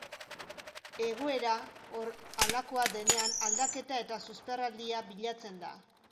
Egoera halakoa denean aldaketa eta susperraldia bilatzen da.